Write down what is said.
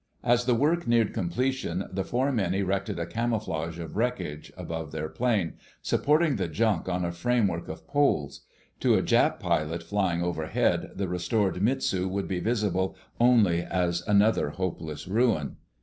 As the work neared completion, the four men erected a camouflage of wreckage above their plane, supporting the junk on a framework of poles. To a Jap pilot flying overhead the restored Mitsu would be visible only as another hopeless ruin.